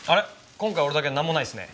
今回俺だけなんもないっすね。